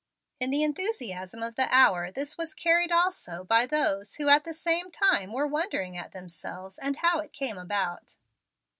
In the enthusiasm of the hour this was carried also by those who at the same time were wondering at themselves and how it all came about.